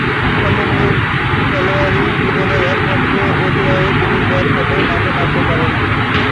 সমগ্র খেলোয়াড়ী জীবনের একমাত্র ওডিআইয়ে তিনি ব্যাট হাতে মাঠে নামতে পারেননি।